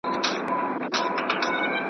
ملنګه ! د لونګو څانګې لارې د چا څاري؟ .